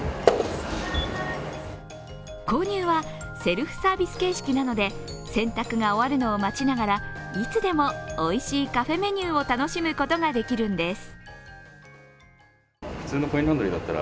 購入はセルフサービス形式なので、洗濯が終わるのを待ちながらいつでもおいしいカフェメニューを楽しむことができるんです。